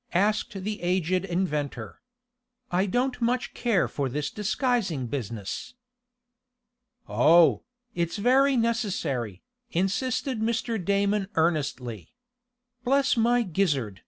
asked the aged inventor. "I don't much care for this disguising business." "Oh, it's very necessary," insisted Mr. Damon earnestly. "Bless my gizzard!